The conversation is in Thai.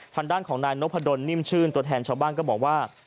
ทางด้านของนายนพดลนิ่มชื่นตัวแทนชาวบ้านก็บอกว่า